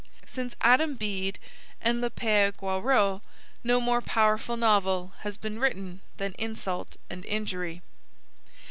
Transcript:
Since Adam Bede and Le Pere Goriot no more powerful novel has been written than Insult and Injury.